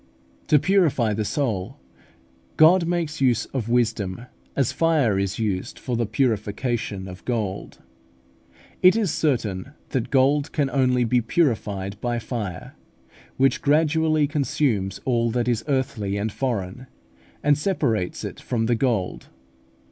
To purify the soul God makes use of wisdom as fire is used for the purification of gold. It is certain that gold can only be purified by fire, which gradually consumes all that is earthly and foreign, and separates it from the gold.